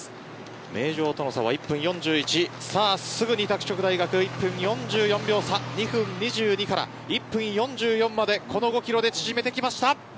名城との差は１分４１すぐに拓殖大１分４４秒差２分２２から１分４４までこの５キロで縮めてきました。